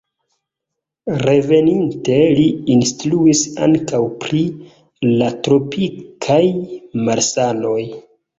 Reveninte li instruis ankaŭ pri la tropikaj malsanoj.